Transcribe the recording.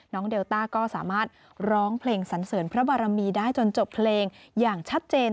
เดลต้าก็สามารถร้องเพลงสันเสริญพระบารมีได้จนจบเพลงอย่างชัดเจน